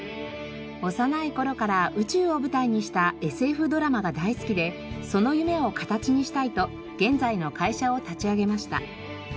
幼い頃から宇宙を舞台にしたＳＦドラマが大好きでその夢を形にしたいと現在の会社を立ち上げました。